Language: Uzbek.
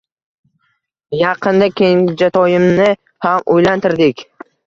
Yaqinda kenjatoyimni ham uylantirdik